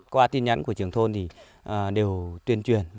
qua tin nhắn của trưởng thôn thì đều tuyên truyền